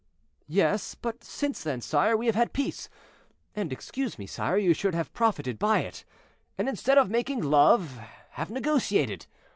"Yes; but since then, sire, we have had peace; and excuse me, sire, you should have profited by it, and, instead of making love, have negotiated.